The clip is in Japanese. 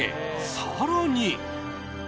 更に。